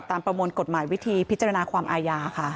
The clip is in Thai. ประมวลกฎหมายวิธีพิจารณาความอาญาค่ะ